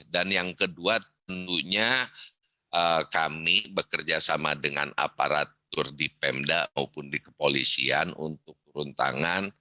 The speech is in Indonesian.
dan yang kedua tentunya kami bekerja sama dengan aparatur di pemda maupun di kepolisian untuk peruntangan